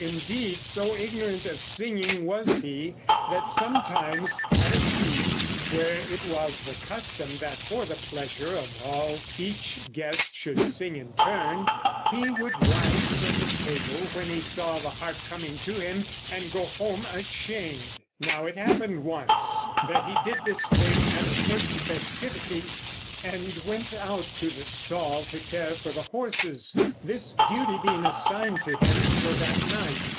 Indeed, so ignorant of singing was he that sometimes, at a feast, where it was the custom that for the pleasure of all each guest should sing in turn, he would rise from the table when he saw the harp coming to him and go home ashamed. Now it happened once that he did this thing at a certain festivity, and went out to the stall to care for the horses, this duty being assigned to him for that night.